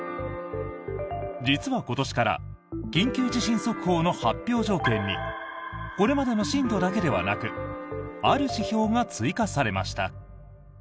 実は今年から緊急地震速報の発表条件にこれまでの震度だけではなくある指標が追加されました。